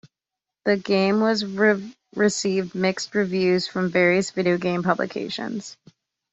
The game has received mixed reviews from various video games publications.